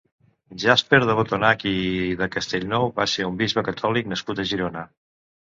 Jaspert de Botonac i de Castellnou va ser un bisbe catòlic nascut a Girona.